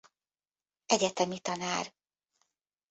Egyetemi tanár.